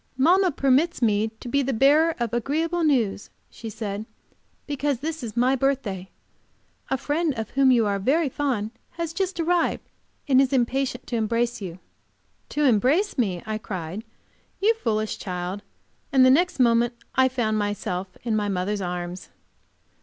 "Mamma permits me to be the bearer of agreeable news," she said, "because this is my birthday. A friend, of whom you are very fond, has just arrived, and is impatient to embrace you. "To embrace me?" I cried. "You foolish child!" And the next moment I found myself in my mother's arms!